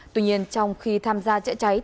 tuy nhiên trong khi tham gia chạy cháy